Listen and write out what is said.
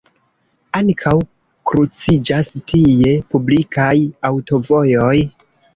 Ankaŭ kruciĝas tie publikaj aŭtovojoj.